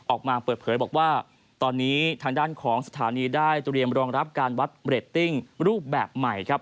ออกมาเปิดเผยบอกว่าตอนนี้ทางด้านของสถานีได้เตรียมรองรับการวัดเรตติ้งรูปแบบใหม่ครับ